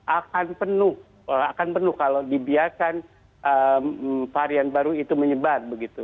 akan penuh kalau dibiarkan varian baru itu menyebar